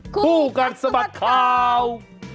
คู่กันสมัติข่าว